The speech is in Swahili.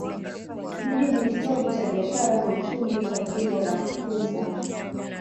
Mji ni kitovu cha biashara na uchumi kwa jimbo la Queensland.